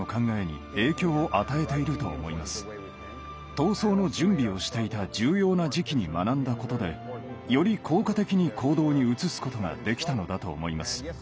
闘争の準備をしていた重要な時期に学んだことでより効果的に行動に移すことができたのだと思います。